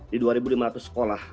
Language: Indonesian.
di dua ribu lima ratus sekolah